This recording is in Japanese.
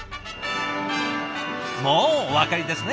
もうお分かりですね。